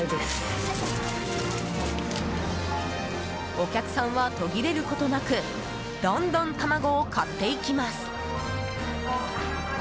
お客さんは途切れることなくどんどん卵を買っていきます。